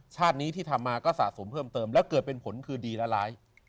ชาตินี้ที่ทำมาก็สะสมเพิ่มเติมแล้วเกิดเป็นผลคือดีและร้าย